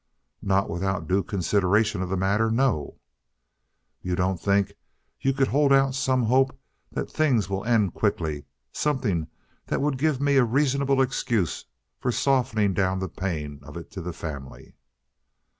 "Not without due consideration of the matter; no." "You don't think you could hold out some hope that the thing will end quickly—something that would give me a reasonable excuse for softening down the pain of it to the family?"